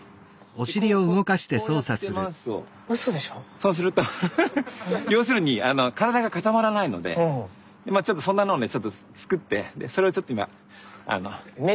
そうするとフフフッ要するにまあちょっとそんなのをねちょっと作ってそれをちょっと今。